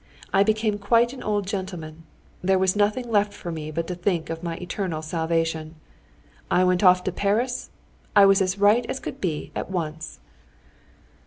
I became quite an old gentleman. There was nothing left for me but to think of my eternal salvation. I went off to Paris—I was as right as could be at once."